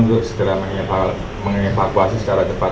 untuk segera mengevakuasi secara cepat